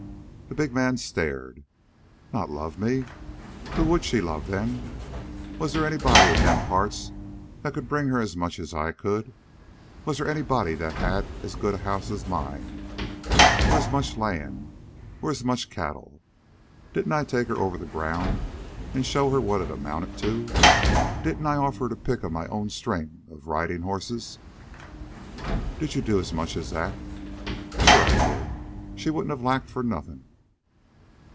The big man stared. "Not love me? Who would she love, then? Was they anybody in them parts that could bring her as much as I could? Was they anybody that had as good a house as mine, or as much land, or as much cattle? Didn't I take her over the ground and show her what it amounted to? Didn't I offer her her pick of my own string of riding horses?" "Did you do as much as that?" "Sure I did. She wouldn't have lacked for nothing."